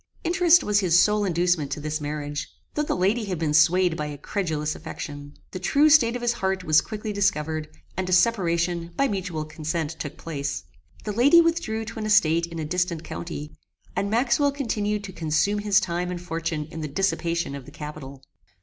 Interest was his sole inducement to this marriage, though the lady had been swayed by a credulous affection. The true state of his heart was quickly discovered, and a separation, by mutual consent, took place. The lady withdrew to an estate in a distant county, and Maxwell continued to consume his time and fortune in the dissipation of the capital.